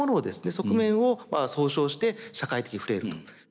側面を総称して社会的フレイルと。